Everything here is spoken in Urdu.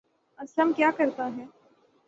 اسلم کیا کرتا ہے